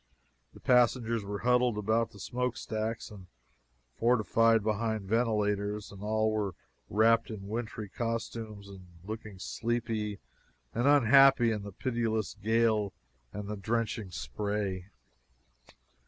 The passengers were huddled about the smoke stacks and fortified behind ventilators, and all were wrapped in wintry costumes and looking sleepy and unhappy in the pitiless gale and the drenching spray.